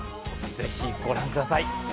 ぜひご覧ください。